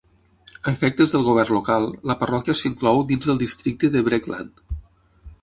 A efectes del govern local, la parròquia s'inclou dins del districte de Breckland.